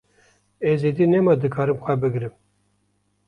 Ez êdî nema dikarim xwe bigirim.